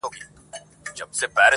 ستا تر ځوانۍ بلا گردان سمه زه.